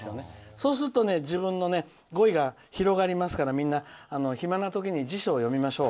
そうすると自分の語彙が広がりますからみんな暇な時に辞書を読みましょう。